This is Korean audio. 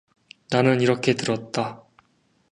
나는 이렇게 들었다.